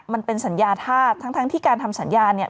มันเป็นสัญญาธาตุทั้งที่การทำสัญญาเนี่ย